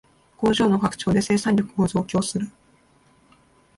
工場の拡張で生産力を増強する